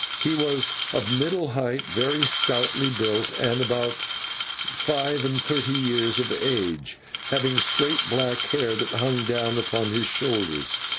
He was of middle height, very stoutly built, and about five and thirty years of age, having straight black hair that hung down upon his shoulders.